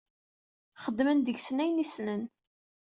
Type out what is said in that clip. Xedmen deg-sen ayen i ssnen.